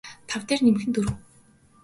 тав дээр нэмэх нь дөрөв